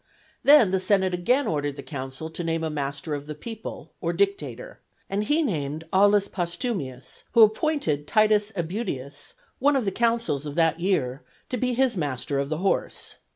Then the senate again ordered the consul to name a master of the people, or dictator; and he named Aul. Postumius, who appointed T. Æbutius (one of the consuls of that year) to be his master of the horse.